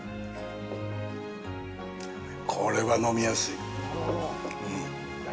これは飲みやすい！